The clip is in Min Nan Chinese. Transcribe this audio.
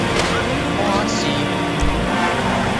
炭疽